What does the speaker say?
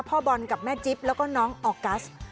พ่อบอลกับแม่จิ๊บแล้วก็น้องออกัส